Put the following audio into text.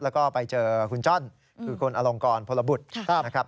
แล้วก็ไปเจอคุณจ้อนคือคุณอลงกรพลบุตรนะครับ